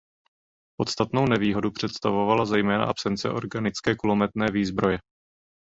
Podstatnou nevýhodu představovala zejména absence organické kulometné výzbroje.